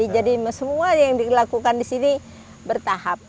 jadi semua yang dilakukan di sini bertahap